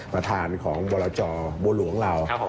ประธานของบรรจรบูรหลวงราว